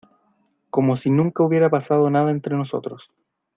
como si nunca hubiera pasado nada entre nosotros.